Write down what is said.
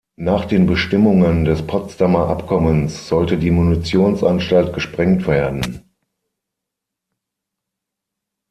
Nach den Bestimmungen des Potsdamer Abkommens sollte die Munitionsanstalt gesprengt werden.